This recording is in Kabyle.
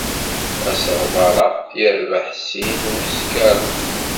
Asegbar-a yerbeḥ sin n wuskaṛen.